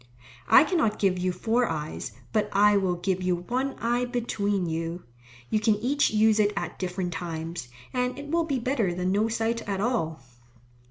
I cannot give you four eyes, but I will give you one eye between you. You can each use it at different times, and it will be better than no sight at all.